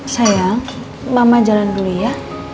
sayang mama jalan beli ya